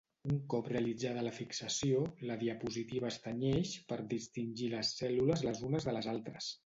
Un cop realitzada la fixació, la diapositiva es tenyeix per distingir les cèl·lules les unes de les altres.